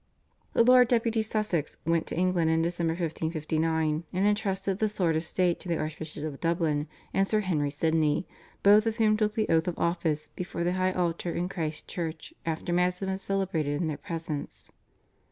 The Lord Deputy Sussex went to England in December 1559, and entrusted the sword of state to the Archbishop of Dublin and Sir Henry Sidney, both of whom took the oath of office before the high altar in Christ's Church after Mass had been celebrated in their presence.